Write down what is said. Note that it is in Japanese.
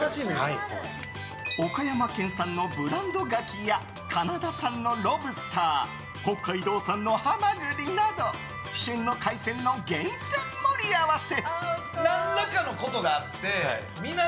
岡山県産のブランド牡蠣やカナダ産のロブスター北海道産のハマグリなど旬の海鮮の厳選盛り合わせ。